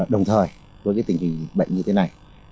đồng thời với tình hình bệnh như thế này